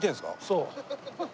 そう。